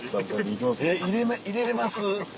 えっ入れれます？